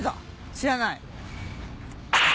知らない？